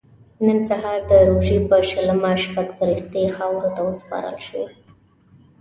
نن سهار د روژې په شلمه شپږ فرښتې خاورو ته وسپارل شوې.